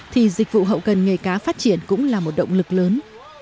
thì dịch vụ hậu cần nghề cá phát triển cũng là một động lực lớn